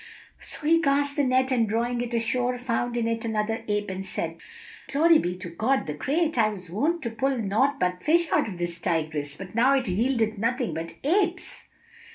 So he cast the net and drawing it ashore, found in it another ape and said, "Glory be to God the Great! I was wont to pull naught but fish out of this Tigris, but now it yieldeth nothing but apes."